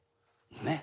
ねっ。